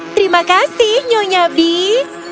terima kasih nyonya bee